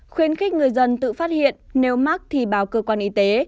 khuyến khích người dân tự phát hiện nếu mắc thì báo cơ quan y tế